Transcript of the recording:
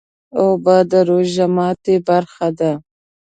اوبه د روژې ماتی برخه ده